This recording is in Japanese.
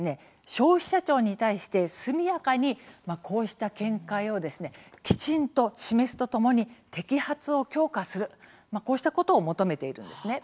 消費者庁に対して速やかにこうした見解をですねきちんと示すとともに摘発を強化するこうしたことを求めてるんですね。